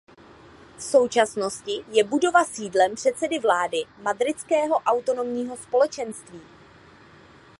V současnosti je budova sídlem předsedy vlády Madridského autonomního společenství.